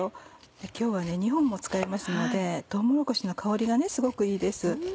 今日は２本も使いますのでとうもろこしの香りがすごくいいです。